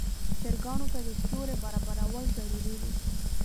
چرګانو ته د سیوري برابرول ضروري دي.